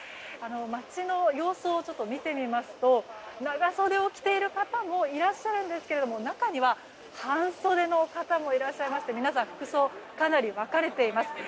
街の様子を見てみますと長袖を着ている方もいらっしゃるんですけれども中には半袖の方もいらっしゃいまして皆さん、服装かなり分かれています。